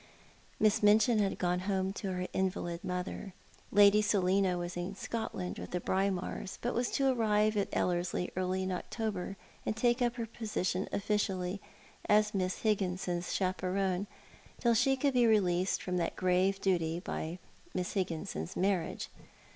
Miss Miuchin had gone home to her invalid mother. Lady Selina was in Scotland with the Braemars, but was to arrive at Ellerslie early in October and take up her position officially, as Miss Higginson's chaperon, till she should be released from that grave duty by Miss Higginson's marriage.